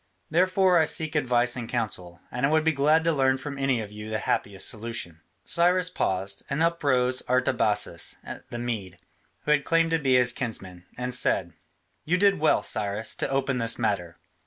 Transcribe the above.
Therefore I seek your advice and counsel, and I would be glad to learn from any of you the happiest solution." Cyrus paused, and up rose Artabazus the Mede, who had claimed to be his kinsman, and said: "You did well, Cyrus, to open this matter.